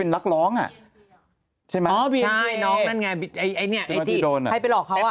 เดี๋ยวเดี๋ยว